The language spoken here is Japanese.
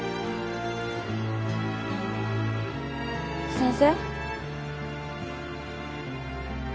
先生。